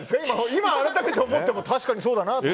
今、改めて見ても確かにそうだなと。